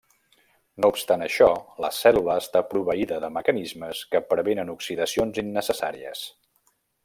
No obstant això, la cèl·lula està proveïda de mecanismes que prevenen oxidacions innecessàries.